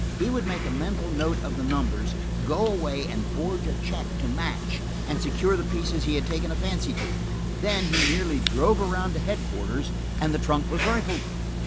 He would make a mental note of the numbers, go away and forge a check to match, and secure the pieces he had taken a fancy to. Then he merely drove around to headquarters, and the trunk was rifled.